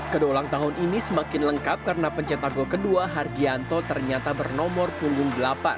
kedua ulang tahun ini semakin lengkap karena pencetak gol kedua hargianto ternyata bernomor punggung delapan